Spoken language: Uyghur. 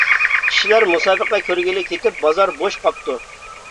كىشىلەر مۇسابىقە كۆرگىلى كېتىپ بازار بوش قاپتۇ.